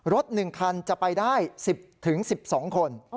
รถหนึ่งคันจะไปได้๑๐๑๒คน